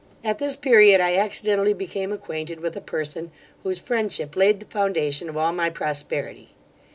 'At this period I accidentally became acquainted with a person, whose friendship laid the foundation of all my prosperity.